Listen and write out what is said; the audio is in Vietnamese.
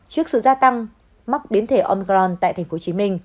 trước sự gia tăng mắc biến thể omcron tại tp hcm